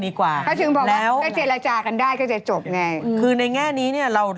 ไม่ว่าจะเป็นฝ่ายโยนหรือฝ่ายจำเลยก็ร้าวแต่